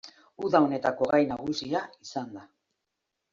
Uda honetako gai nagusia izan da.